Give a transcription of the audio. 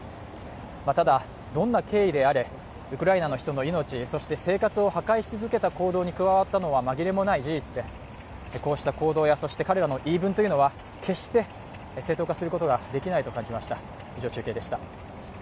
ただ、どんな経緯であれウクライナの人の命そして生活を破壊し続けた行動に加わったのは紛れもない事実で、こうした行動や彼らの言い分は決して正当化することはできないと感じました。